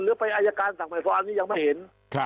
หรือไปอายการสั่งไปฟ้องอันนี้ยังไม่เห็น